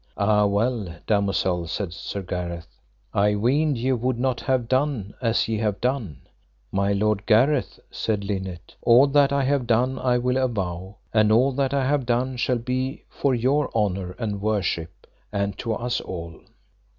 Ah well, damosel, said Sir Gareth, I weened ye would not have done as ye have done. My lord Gareth, said Linet, all that I have done I will avow, and all that I have done shall be for your honour and worship, and to us all.